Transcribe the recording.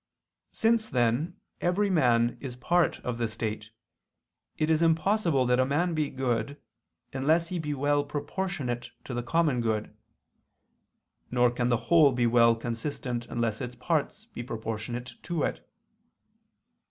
Since then every man is a part of the state, it is impossible that a man be good, unless he be well proportionate to the common good: nor can the whole be well consistent unless its parts be proportionate to it.